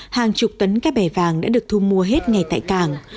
hàng chục tấn cá bè vàng đã được thu mua hết ngay tại cảng